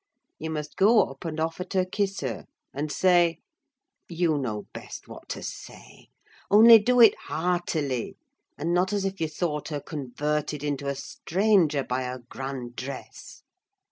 You must go up and offer to kiss her, and say—you know best what to say; only do it heartily, and not as if you thought her converted into a stranger by her grand dress.